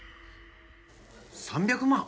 ３００万？